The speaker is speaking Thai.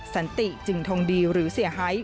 สันติจึงทงดีหรือเสียหาย